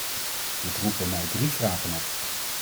Dit roept bij mij drie vragen op.